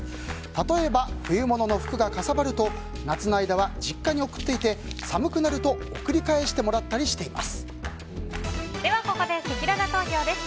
例えば、冬物の服がかさばると夏の間は実家に送っていて寒くなるとここで、せきらら投票です。